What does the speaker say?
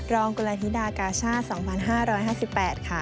รองกุระธิดากาช่า๒๕๕๘ค่ะ